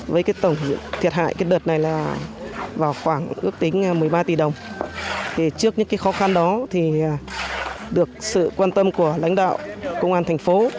với tổng thiệt hại đợt này vào khoảng ước tính một mươi ba tỷ đồng trước những khó khăn đó được sự quan tâm của lãnh đạo công an thành phố